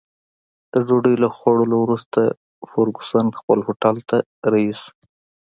د ډوډۍ له خوړلو وروسته فرګوسن خپل هوټل ته رهي شوه.